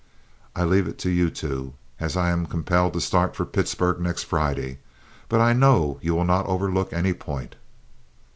I leave it to you two, as I am compelled to start for Pittsburg next Friday; but I know you will not overlook any point."